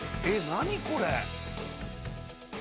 何これ！？